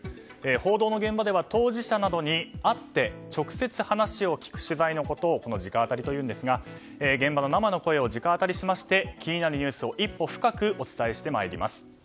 報道の現場では当事者などに会って直接話を聞く取材のことをこの直アタリといいますが現場の生の声を直アタリし気になるニュースを一歩深くお伝えしてまいります。